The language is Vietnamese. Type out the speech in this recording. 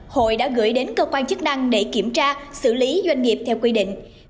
hội đã gửi đến cơ quan chức năng để kiểm tra xử lý doanh nghiệp theo quy định